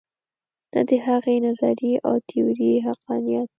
نه د هغې نظریې او تیورۍ حقانیت.